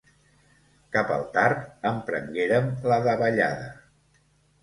Cap al tard emprenguérem la davallada.